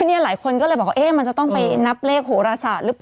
นี่หลายคนก็เลยบอกว่ามันจะต้องไป